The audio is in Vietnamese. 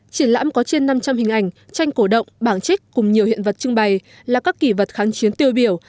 triển lãm có trên năm trăm linh hình ảnh tranh cổ động bảng trích cùng nhiều hiện vật trưng bày là các kỷ vật kháng chiến tiêu biểu